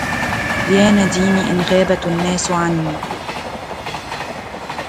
يا نديمي إن غابت الناس عني